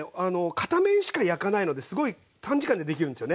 片面しか焼かないのですごい短時間でできるんですよね。